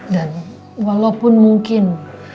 dan walaupun mungkin